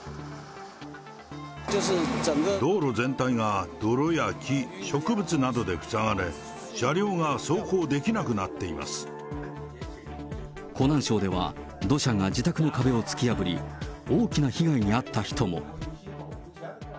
道路全体が泥や木、植物などで塞がれ、車両が走行できなくな湖南省では、土砂が自宅の壁を突き破り、大きな被害に遭った人も。